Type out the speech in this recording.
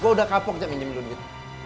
gua udah kapok aja pinjem dua duit